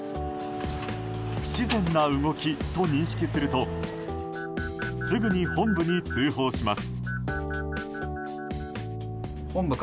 不自然な動きと認識するとすぐに本部に通報します。